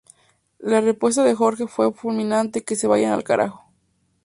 La respuesta de Jorge fue fulminante: ‘Que se vayan al carajo.